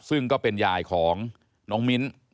ซึ่งก็เป็นยายของน้องมิ้น